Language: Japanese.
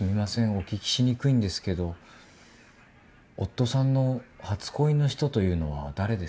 お聞きしにくいんですけど夫さんの初恋の人というのは誰ですか？